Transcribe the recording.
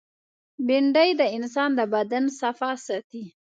بېنډۍ د انسان د بدن صفا ساتي